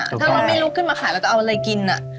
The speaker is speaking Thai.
ถ้าเราไม่ลุกขึ้นมาขายเราจะเอาอะไรกิน